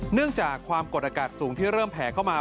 เนื่องจากความกดอากาศสูงที่เริ่มแผ่เข้ามา